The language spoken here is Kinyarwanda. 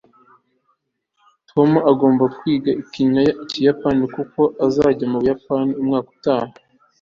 tom agomba kwiga ikiyapani kuko azajya mu buyapani umwaka utaha